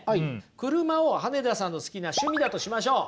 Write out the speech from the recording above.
車を羽根田さんの好きな趣味だとしましょう。